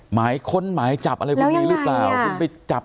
หมายค้นหมายจับอะไรแบบนี้หรือเปล่า